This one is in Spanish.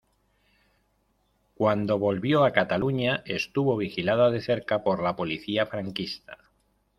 Cuando volvió a Cataluña, estuvo vigilada de cerca por la policía franquista.